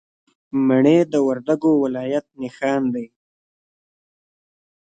مڼې د وردګو ولایت نښان دی.